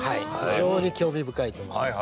非常に興味深いと思います。